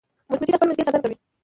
مچمچۍ د خپل ملکې ساتنه کوي